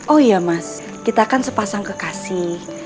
oh iya mas kita kan sepasang kekasih